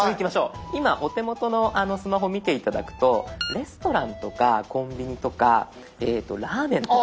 今お手元のスマホ見て頂くとレストランとかコンビニとかラーメンとか。